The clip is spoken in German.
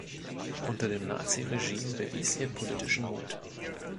Unter dem Naziregime bewies er politischen Mut.